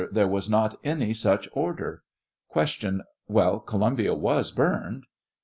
There was not any such order. Q. Well, Columbia was burned? A.